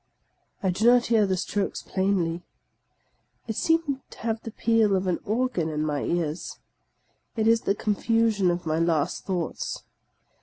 I do not hear the strokes plainly. I seem to have the peal of an organ in my ears. It is the confusion of my last thoughts.